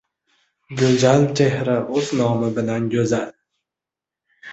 Go‘zal chehra o‘z nomi bilan go‘zal.